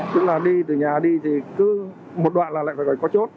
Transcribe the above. tức là đi từ nhà đi thì cứ một đoạn là lại phải có chốt